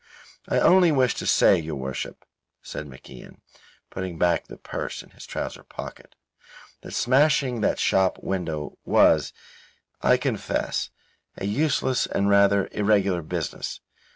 "I only wished to say, your worship," said MacIan, putting back the purse in his trouser pocket, "that smashing that shop window was, I confess, a useless and rather irregular business.